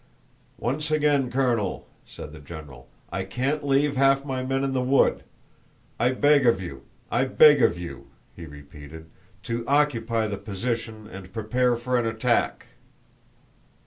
"Once again, Colonel," said the general, "I can't leave half my men in the wood. I beg of you, I beg of you," he repeated, "to occupy the position and prepare for an attack."